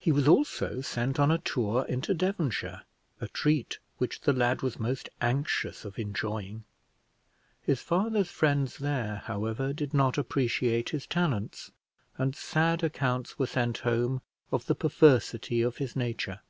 He was also sent on a tour into Devonshire; a treat which the lad was most anxious of enjoying. His father's friends there, however, did not appreciate his talents, and sad accounts were sent home of the perversity of his nature.